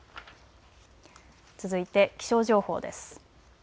続いて気象情報です。